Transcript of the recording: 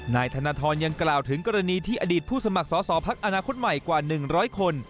นายธนทรยังกล่าวถึงกรณีที่อดีตผู้สมัครสอสอพักอนาคตใหม่กว่า๑๐๐คน